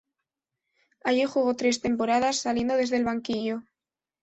Allí jugó tres temporadas saliendo desde el banquillo.